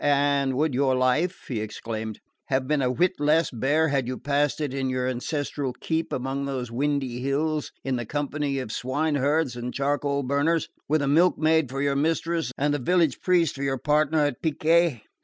"And would your life," he exclaimed, "have been a whit less bare had you passed it in your ancestral keep among those windy hills, in the company of swineherds and charcoal burners, with a milk maid for your mistress and the village priest for your partner at picquet?"